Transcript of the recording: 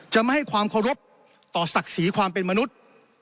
ไม่ให้ความเคารพต่อศักดิ์ศรีความเป็นมนุษย์